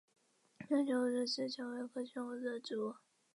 西南悬钩子是蔷薇科悬钩子属的植物。